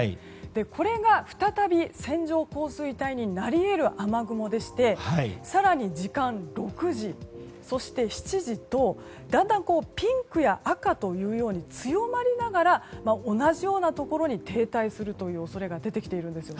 これが再び線状降水帯になり得る雨雲でして更に時間が、６時そして７時とだんだんピンクや赤というように強まりながら同じようなところに停滞する恐れが出てきているんです。